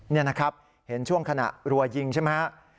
นี่นะครับเห็นช่วงขณะรัวยิงใช่ไหมฮะ